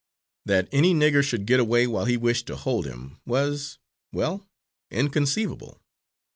That any nigger should get away while he wished to hold him, was well, inconceivable.